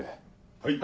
はい。